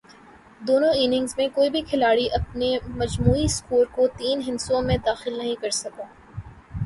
دونوں اننگز میں کوئی بھی کھلاڑی اپنے مجموعی سکور کو تین ہندسوں میں داخل نہیں کر سکا۔